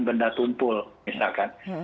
benda tumpul misalkan